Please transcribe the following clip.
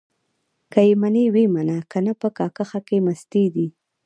که يې منې ويې منه؛ که نه په کاکښه کې مستې دي.